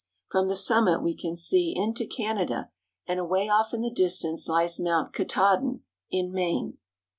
From the summit we can see into Canada, and away off in the distance lies Mount Katahdin in Maine.